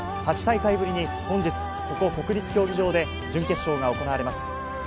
８大会ぶりに本日、ここ国立競技場で準決勝が行われます。